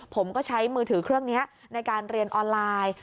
ผมก็ใช้มือถือเครื่องนี้ในการเรียนออนไลน์